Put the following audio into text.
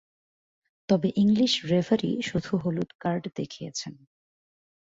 তবে English referee শুধু হলুদ কার্ড দেখিয়েছেন।